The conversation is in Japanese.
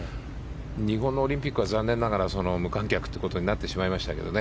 日本のオリンピックは残念ながら無観客ということになってしまいましたけどね。